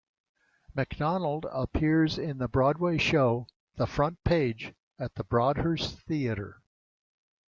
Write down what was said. McDonald appears in the Broadway show "The Front Page" at the Broadhurst Theater.